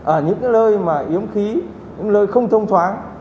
ở những cái lơi mà yếm khí những lơi không thông thoáng